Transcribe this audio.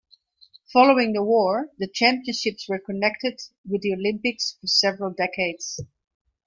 Following the war, the championships were connected with the Olympics for several decades.